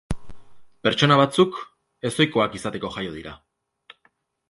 Pertsona batzuk ez ohikoak izateko jaio dira.